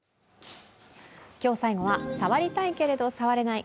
今日最後は触りたいけれども、触れない。